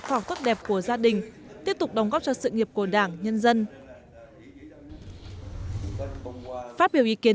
học tốt đẹp của gia đình tiếp tục đóng góp cho sự nghiệp của đảng nhân dân phát biểu ý kiến